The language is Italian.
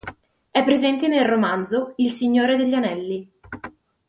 È presente nel romanzo "Il Signore degli Anelli".